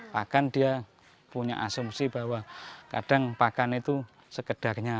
pakan dia punya asumsi bahwa kadang pakan itu sekedarnya